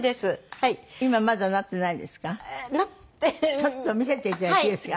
ちょっと見せて頂いていいですか？